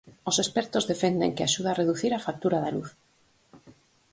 Os expertos defenden que axuda a reducir a factura da luz.